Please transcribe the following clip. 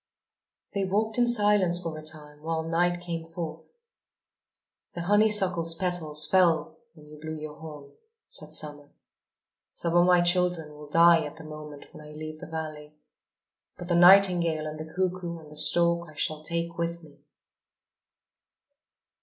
They walked in silence for a time, while night came forth. "The honeysuckle's petals fell when you blew your horn," said Summer. "Some of my children will die at the moment when I leave the valley. But the nightingale and the cuckoo and the stork I shall take with me."